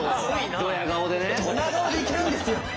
ドヤ顔でいけるんですよ。